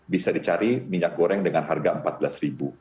bisa dicari minyak goreng dengan harga rp empat belas